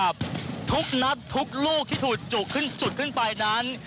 ทุกนัดทุกลูกที่ถูกจุดขึ้นไปนั้น